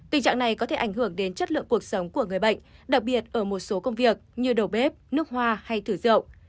tình trạng này có thể ảnh hưởng đến chất lượng cuộc sống của người bệnh đặc biệt ở một số công việc như đầu bếp nước hoa hay thử rậu